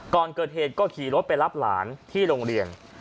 ก่อนเกิดเหตุก็ขี่รถไปรับหลานที่โรงเรียน